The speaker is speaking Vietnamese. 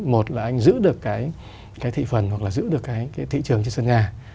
một là anh giữ được cái thị phần hoặc là giữ được cái thị trường trên sân nga